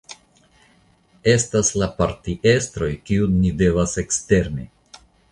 Estas la partiestroj, kiujn ni devas ekstermi.